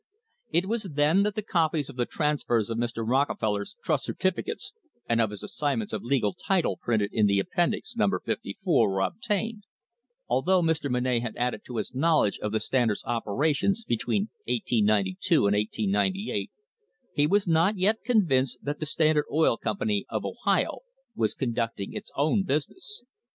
It was then that the copies of the transfers of Mr. Rockefeller's trust certificates and of his assignments of legal title printed in the Appendix, Num ber 54, were obtained. Although Mr. Monnett had added to his knowledge of the Standard's operations between 1892 and 1898, he was not yet convinced that the Standard Oil Company of Ohio was conducting its own business.